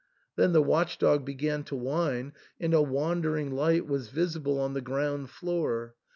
Then the watch dog began to whine, and a wandering light was visible on the ground floor.